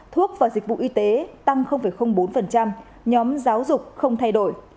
thuốc và dịch vụ y tế tăng bốn nhóm giáo dục không thay đổi